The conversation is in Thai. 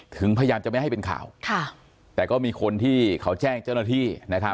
พยายามจะไม่ให้เป็นข่าวแต่ก็มีคนที่เขาแจ้งเจ้าหน้าที่